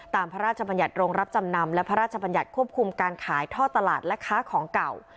พระราชบัญญัติโรงรับจำนำและพระราชบัญญัติควบคุมการขายท่อตลาดและค้าของเก่า